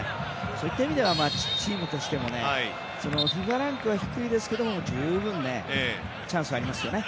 そういった意味ではチームとしてもＦＩＦＡランクは低いですが十分、チャンスはありますね。